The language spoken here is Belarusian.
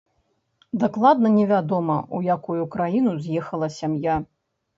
Дакладна не вядома, у якую краіну з'ехала сям'я.